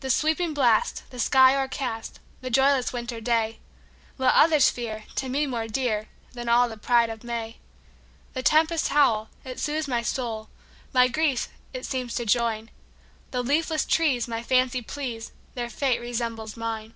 "The sweeping blast, the sky o'ercast,"The joyless winter dayLet others fear, to me more dearThan all the pride of May:The tempest's howl, it soothes my soul, My griefs it seems to join; The leafless trees my fancy please, Their fate resembles mine!